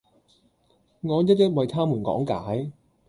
我一一為他們講解